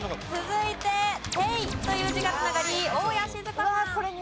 続いて「亭」という字が繋がり大家志津香さん。